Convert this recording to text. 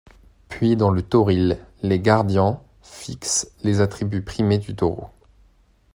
Puis dans le toril, les gardians fixent les attributs primés du taureau.